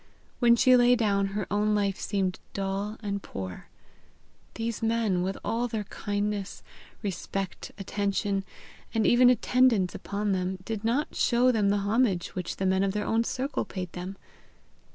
When she lay down, her own life seemed dull and poor. These men, with all their kindness, respect, attention, and even attendance upon them, did not show them the homage which the men of their own circle paid them!